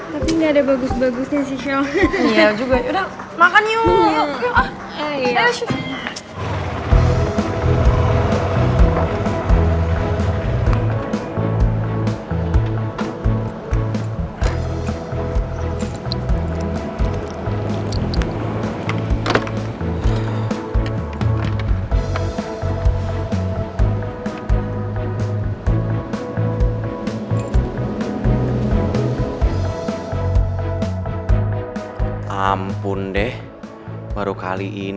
tapi ga ada bagus bagusnya sih shown